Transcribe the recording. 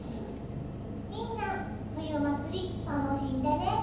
みんなふゆまつりたのしんでね！